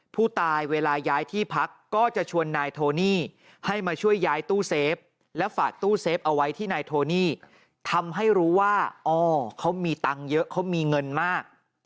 ผู้ตายเวลาย้ายที่พักก็จะชวนนายโทนี่ให้มาช่วยย้ายตู้เซฟและฝากตู้เซฟเอาไว้ที่นายโทนี่ทำให้รู้ว่าอ๋อเขามีตังค์เยอะเขามีเงินมาก